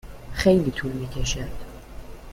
خیلی طول می کشد.